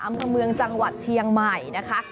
อำเภอเมืองจังหวัดเชียงใหม่นะคะ